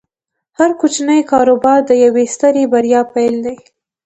هر کوچنی کاروبار د یوې سترې بریا پیل دی۔